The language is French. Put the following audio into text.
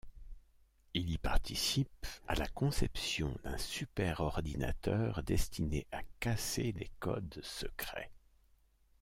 Il y participe à la conception d'un superordinateur destiné à casser les codes secrets.